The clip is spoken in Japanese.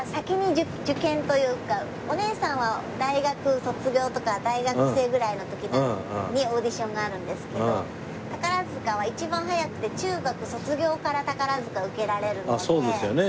おねえさんは大学卒業とか大学生ぐらいの時にオーディションがあるんですけど宝塚は一番早くて中学卒業から宝塚受けられるので。